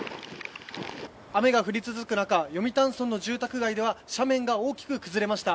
雨が降り続く中読谷村の住宅街では斜面が大きく崩れました。